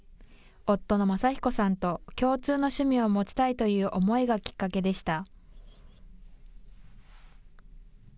夫の昌彦さんと共通の趣味を持ちたいという思いがきっかけでした。